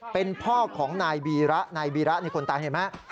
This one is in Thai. เป็นพ่อของนายวีระนายวีระนี่คนตายเห็นไหม